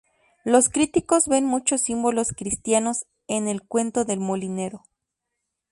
Los críticos ven muchos símbolos cristianos en El cuento del molinero.